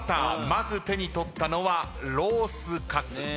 まず手に取ったのはロースカツ。